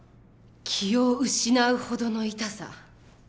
気を失うほどの痛さ。